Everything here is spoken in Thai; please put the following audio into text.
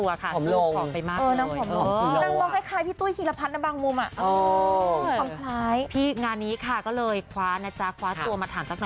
จะตัว่ะบอกกับบันเทิงไทยรัติบอกว่า